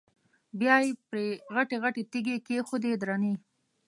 بیا یې پرې غټې غټې تیږې کېښودې درنې.